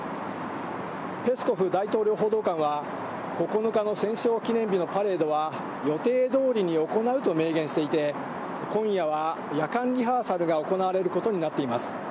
ペスコフ大統領報道官は、９日の戦勝記念日のパレードは、予定どおりに行うと明言していて、今夜は夜間リハーサルが行われることになっています。